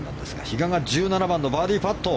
比嘉が１７番のバーディーパット。